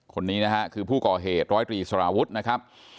คนนี้นะฮะคือผู้ก่อเหตุร้อยตรีสารวุฒินะครับ